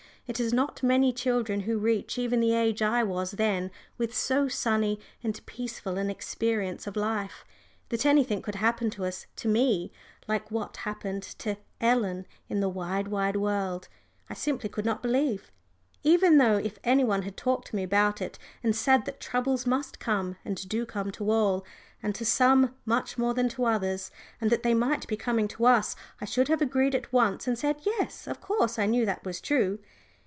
It is not many children who reach even the age I was then with so sunny and peaceful an experience of life. That anything could happen to us to me like what happened to "Ellen" in The Wide, Wide World, I simply could not believe; even though if any one had talked to me about it and said that troubles must come and do come to all, and to some much more than to others, and that they might be coming to us, I should have agreed at once and said yes, of course I knew that was true.